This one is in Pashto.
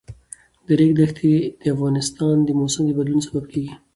د ریګ دښتې د افغانستان د موسم د بدلون سبب کېږي.